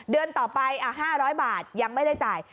เดือนต่อไป๕๐๐บาทยังไม่ได้จ่าย